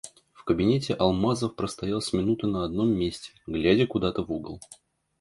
В кабинете Алмазов простоял с минуту на одном месте, глядя куда-то в угол.